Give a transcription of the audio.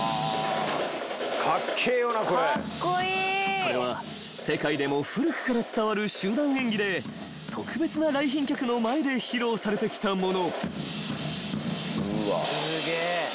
［それは世界でも古くから伝わる集団演技で特別な来賓客の前で披露されてきたもの］